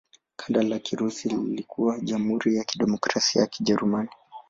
Kanda la Kirusi lilikuwa Jamhuri ya Kidemokrasia ya Kijerumani.